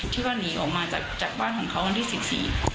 ที่ว่าหนีออกมาจากจากบ้านของเขาวันที่สิบสี่